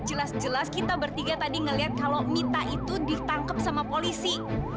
jelas jelas kita bertiga tadi ngeliat kalau mita itu ditangkap sama polisi